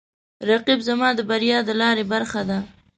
رقیب زما د بریا د لارې برخه ده